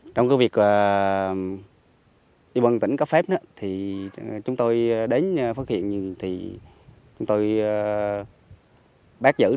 trong cái việc đi bằng tỉnh cấp phép chúng tôi đến phát hiện thì chúng tôi bác giữ